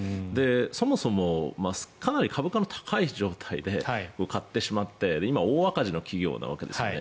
そもそもかなり株価の高い状態で買ってしまって今、大赤字の企業なわけですよね。